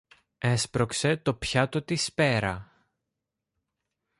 Έσπρωξε το πιάτο της πέρα